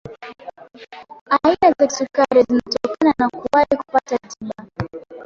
aina za kisukari zinatokana na kuwai kupata tiba